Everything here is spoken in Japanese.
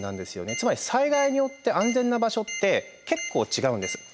つまり災害によって安全な場所って結構違うんです。